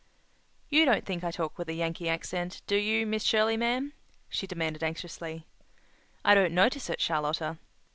"You don't think I talk with a Yankee accent, do you, Miss Shirley, ma'am?" she demanded anxiously. "I don't notice it, Charlotta."